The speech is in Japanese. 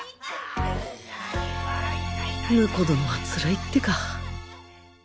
婿殿はつらいってか。